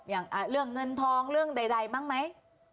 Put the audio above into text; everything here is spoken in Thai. อย่างเรื่องเงินทองเรื่องใดบ้างไหม